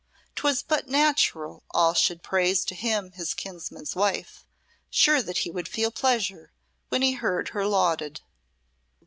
'Twas but natural all should praise to him his kinsman's wife, sure that he would feel pleasure when he heard her lauded.